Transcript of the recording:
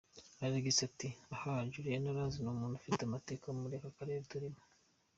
Alexi ati “ Ahaaa Julianna urazi ni umuntu ufite amateka muri aka karere turimo.